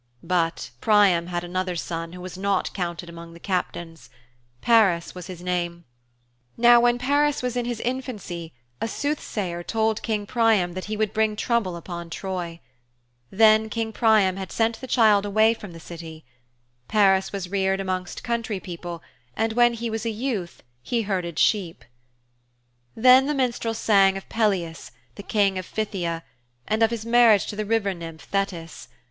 But Priam had another son who was not counted amongst the Captains. Paris was his name. Now when Paris was in his infancy, a soothsayer told King Priam that he would bring trouble upon Troy. Then King Priam had the child sent away from the City. Paris was reared amongst country people, and when he was a youth he herded sheep. Then the minstrel sang of Peleus, the King of Phthia, and of his marriage to the river nymph, Thetis.